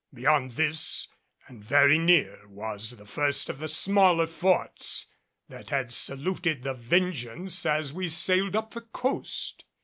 Beyond this and very near was the first of the smaller forts that had saluted the Vengeance as we sailed up the coast.